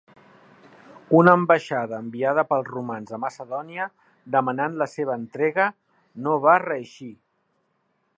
Una ambaixada enviada pels romans a Macedònia demanant la seva entrega, no va reeixir.